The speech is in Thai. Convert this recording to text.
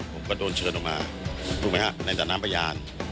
ผมก็โดนเชิญออกมาถูกไหมครับในตอนน้ำประหยาน